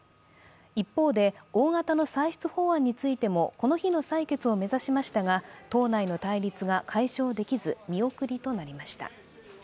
一方で、大型の歳出法案についてもこの日の採決を目指しましたが党内の対立が解消できず、見送りとなりました。